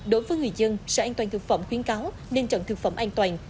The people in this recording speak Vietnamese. đối với người dân sở an toàn thực phẩm khuyến cáo nên chọn thực phẩm an toàn